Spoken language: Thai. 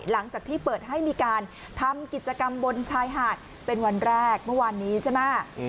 หลังจากที่เปิดให้มีการทำกิจกรรมบนชายหาดเป็นวันแรกเมื่อวานนี้ใช่ไหม